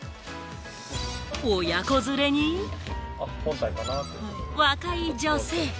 親子連れに、若い女性。